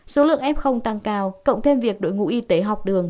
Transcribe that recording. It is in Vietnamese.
số lượng f tăng cao cộng thêm việc đội ngũ y tế học đường